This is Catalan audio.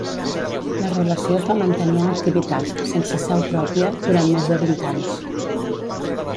La Relació es va mantenir en activitat, sense seu pròpia, durant més de vint anys.